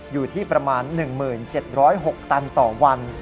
อยู่ที่ประมาณ๑๗๐๖ตันต่อวัน